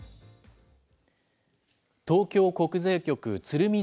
東京国税局鶴見